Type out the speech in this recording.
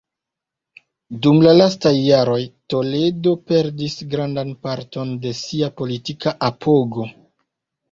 Dum la lastaj jaroj, Toledo perdis grandan parton de sia politika apogo.